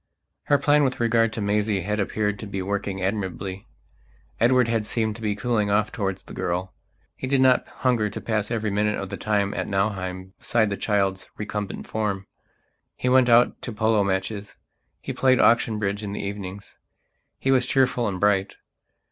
Her plan with regard to Maisie had appeared to be working admirably. Edward had seemed to be cooling off towards the girl. He did not hunger to pass every minute of the time at Nauheim beside the child's recumbent form; he went out to polo matches; he played auction bridge in the evenings; he was cheerful and bright.